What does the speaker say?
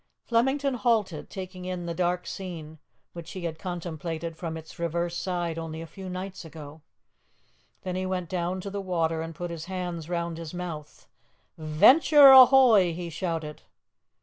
Flemington halted, taking in the dark scene, which he had contemplated from its reverse side only a few nights ago. Then he went down to the water and put his hands round his mouth. "Venture ahoy!" he shouted.